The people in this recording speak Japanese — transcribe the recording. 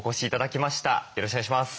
よろしくお願いします。